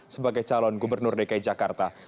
sebagai calon gubernur dki jakarta